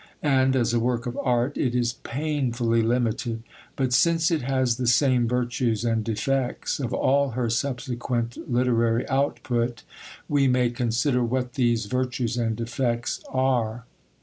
And, as a work of art, it is painfully limited; but since it has the same virtues and defects of all her subsequent literary output, we may consider what these virtues and defects are.